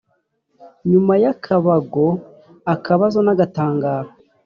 Nyuma y’akabago, akabazo n’agatangaro.